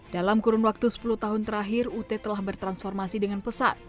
dalam kurun waktu sepuluh tahun terakhir ut telah bertransformasi dengan pesat